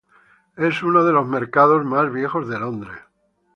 Es uno de los mercados más viejos de Londres.